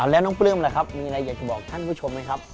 แล้วน้องปลื้มล่ะครับมีอะไรอยากจะบอกท่านผู้ชมไหมครับ